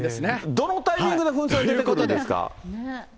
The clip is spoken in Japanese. どのタイミングで噴水が出てくるんですか？